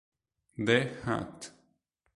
The Hat